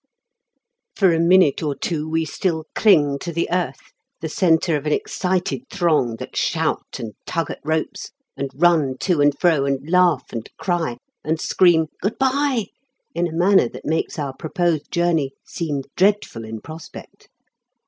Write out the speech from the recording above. For a minute or two we still cling to the earth, the centre of an excited throng that shout, and tug at ropes, and run to and fro, and laugh, and cry, and scream "Good bye" in a manner that makes our proposed journey seem dreadful in prospect.